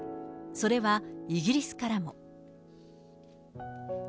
それはイギリスからも。